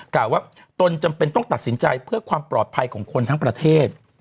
กล่าวว่าตนจำเป็นต้องตัดสินใจเพื่อความปลอดภัยของคนทั้งประเทศ